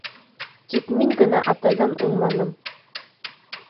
Тик мин генә атайҙан уңманым.